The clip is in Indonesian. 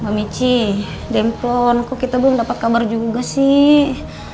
pak mici demplon kok kita belum dapat kabar juga sih